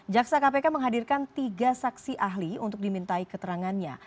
jaksa kpk menghadirkan tiga saksi ahli untuk dimintai keterangannya